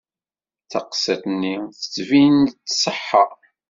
Taqsiṭ-nni tettbin-d tṣeḥḥa.